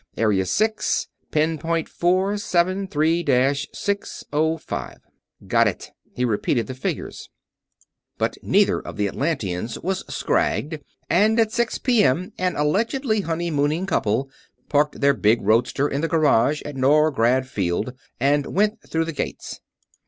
Area six; pin point four seven three dash six oh five. "Got it." He repeated the figures. But neither of the Atlanteans was "scragged", and at six P.M. an allegedly honeymooning couple parked their big roadster in the garage at Norgrad Field and went through the gates.